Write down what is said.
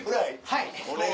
はい。